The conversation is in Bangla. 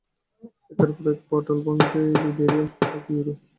একের পর এক পটোল ভাঙতেই বেরিয়ে আসতে থাকে ইউরো।